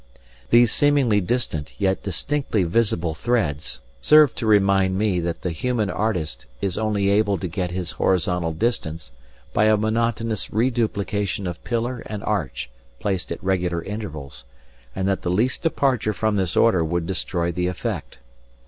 These seemingly distant yet distinctly visible threads serve to remind me that the human artist is only able to get his horizontal distance by a monotonous reduplication of pillar and arch, placed at regular intervals, and that the least departure from this order would destroy the effect.